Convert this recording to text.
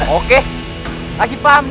oke kasih paham d